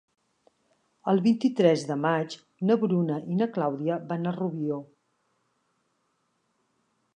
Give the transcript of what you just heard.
El vint-i-tres de maig na Bruna i na Clàudia van a Rubió.